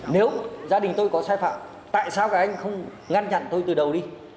nếu gia đình tôi có sai phạm tại sao các anh không ngăn chặn tôi từ đầu đi